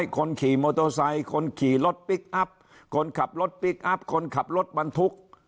คนขี่รถพลิกอัพคนขับรถพลิกอัพคนขับรถมันทุกข์